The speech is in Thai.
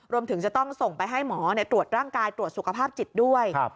รวมถึงจะต้องส่งไปให้หมอตรวจร่างกายตรวจสุขภาพจิตด้วย